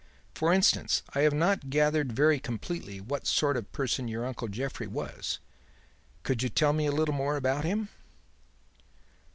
For instance, I have not gathered very completely what sort of person your uncle Jeffrey was. Could you tell me a little more about him?"